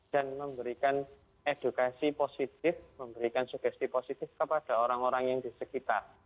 dan memberikan edukasi positif memberikan sugesti positif kepada orang orang yang di sekitar